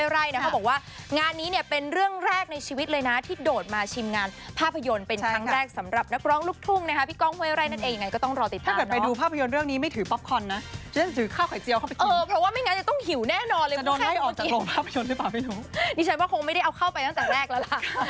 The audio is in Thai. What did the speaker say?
ว่าไม่งั้นจะต้องหิวแน่นอนเลยจะโดนไห้ออกจากโรงภาพยนตร์หรือเปล่าไม่รู้นี่ฉันว่าคงไม่ได้เอาเข้าไปตั้งแต่แรกแล้วล่ะ